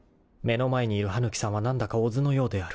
［目の前にいる羽貫さんは何だか小津のようである］